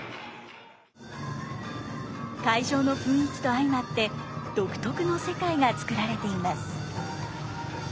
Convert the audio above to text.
会場の雰囲気と相まって独特の世界がつくられています。